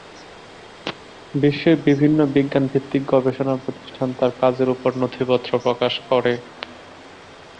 বিশ্বের বিভিন্ন বিজ্ঞানভিত্তিক গবেষণা প্রতিষ্ঠান তার কাজের উপর নথিপত্র প্রকাশ করে।